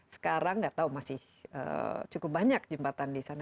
sekarang nggak tahu masih cukup banyak jembatan di sana